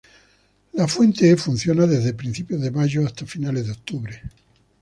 La Fuente funciona desde principios de mayo hasta finales de octubre.